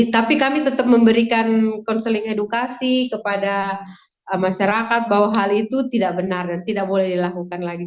tapi kami tetap memberikan konseling edukasi kepada masyarakat bahwa hal itu tidak benar dan tidak boleh dilakukan lagi